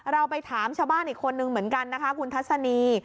เราไปถามชาวบ้านอีกคนนึงเหมือนกันนะคะคุณทัศนี